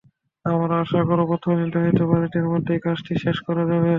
আমরা আশা করব, বর্তমানে নির্ধারিত বাজেটের মধ্যেই কাজটি শেষ করা যাবে।